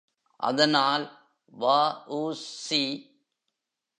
அதனால் வ.உ.சி.